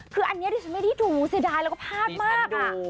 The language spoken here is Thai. คืออันนี้ที่ฉันไม่ได้ถูเสียดายแล้วก็พลาดมาก